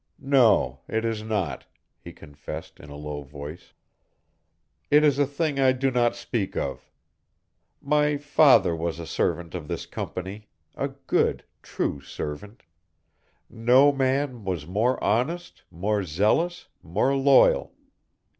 "No, it is not," he confessed, in a low voice. "It is a thing I do not speak of. My father was a servant of this Company, a good, true servant. No man was more honest, more zealous, more loyal."